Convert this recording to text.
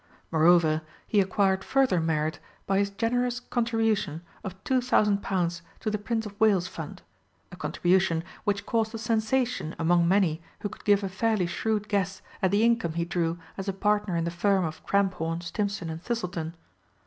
Moreover, he acquired further merit by his generous contribution of two thousand pounds to the Prince of Wales' Fund a contribution which caused a sensation among many who could give a fairly shrewd guess at the income he drew as a partner in the firm of Cramphorn, Stimpson, & Thistleton.